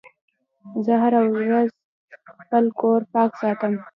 زه هره ورځ خپل کور پاک ساتم.